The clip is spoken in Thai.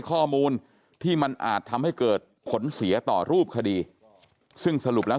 ข้อมูลที่มันอาจทำให้เกิดผลเสียต่อรูปคดีซึ่งสรุปแล้ว